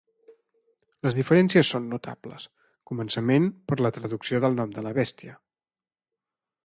Les diferències són notables, començament per la traducció del nom de la bèstia.